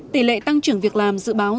tỷ lệ tăng trưởng việc làm dự báo